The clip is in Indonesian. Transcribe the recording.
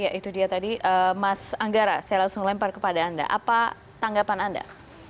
ya itu dia tadi mas anggara saya langsung lempar kepada anda apa tanggapan anda